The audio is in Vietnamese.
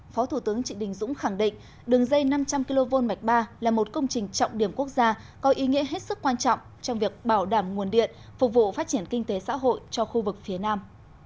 phó thủ tướng trịnh đình dũng khẳng định đường dây năm trăm linh kv mạch ba là một công trình trọng điểm quốc gia có ý nghĩa hết sức quan trọng trong việc bảo đảm nguồn điện phục vụ phát triển kinh tế xã hội cho khu vực phía nam